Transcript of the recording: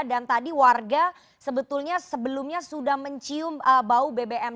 dan tadi warga sebetulnya sebelumnya sudah mencium bau bbm